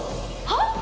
はっ？